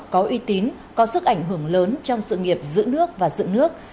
có uy tín có sức ảnh hưởng lớn trong sự nghiệp giữ nước và dựng nước